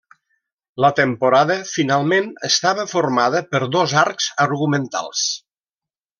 La temporada finalment estava formada per dos arcs argumentals.